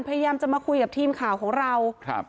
พยายามจะมาคุยกับทีมข่าวของเราครับ